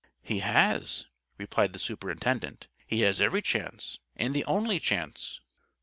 "He has," replied the superintendent. "He has every chance, and the only chance."